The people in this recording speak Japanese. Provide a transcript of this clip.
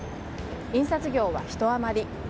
印刷業は人余り。